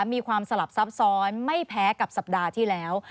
มีความสลับซับซ้อนไม่แพ้กับสัปดาห์ที่แล้ว